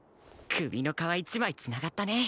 首の皮一枚繋がったね。